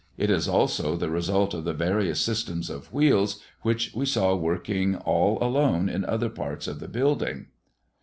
It is also the result of the various systems of wheels which we saw working all alone in other parts of the building.